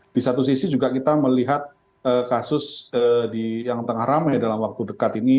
di satu sisi juga kita melihat kasus yang tengah ramai dalam waktu dekat ini